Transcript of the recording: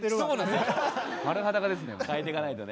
丸裸ですね